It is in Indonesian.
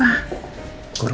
aduh anin kenapa